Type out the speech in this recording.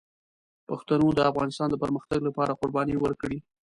پښتنو د افغانستان د پرمختګ لپاره قربانۍ ورکړي.